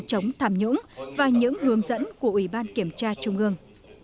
chống tham nhũng và những hướng dẫn của ủy ban kiểm tra trung ương